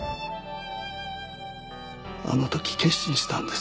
あの時決心したんです。